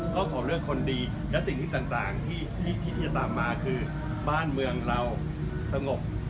ก็ขอเลือกคนดีและสิ่งที่ต่างที่คิดที่จะตามมาคือบ้านเมืองเราสงบ